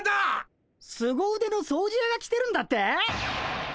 すご腕の掃除やが来てるんだって？